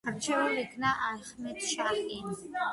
არჩეულ იქნა აჰმად–შაჰი.